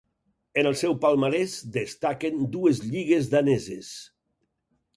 En el seu palmarès destaquen dues lligues daneses.